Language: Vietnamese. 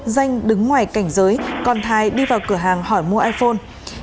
danh đứng ngoài cảnh giới còn thái đi vào cửa hàng hỏi mua iphone